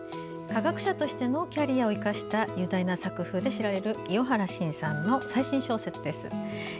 科学者としてのキャリアを生かした雄大な作風で知られる伊与原新さんの最新小説です。